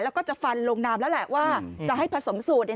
แล้วก็จะฟันลงนามแล้วแหละว่าจะให้ผสมสูตรเนี่ย